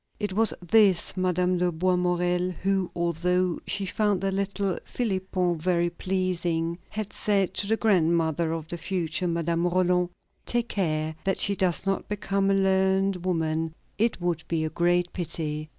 It was this Madame de Boismorel who, although she found the little Philipon very pleasing, had said to the grandmother of the future Madame Roland: "Take care that she does not become a learned woman; it would be a great pity."